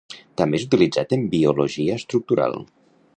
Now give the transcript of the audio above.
També és utilitzat en biologia estructural.